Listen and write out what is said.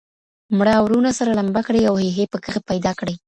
مړه اورونه سره لمبه کړي یو هی هی پکښی پیدا کړي